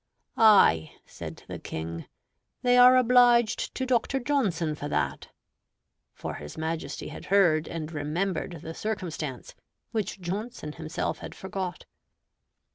"Ay" (said the King), "they are obliged to Dr. Johnson for that;" for his Majesty had heard and remembered the circumstance, which Johnson himself had forgot.